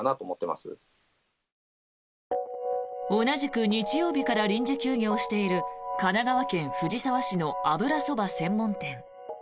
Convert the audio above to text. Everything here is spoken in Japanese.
同じく日曜日から臨時休業している神奈川県藤沢市の油そば専門店。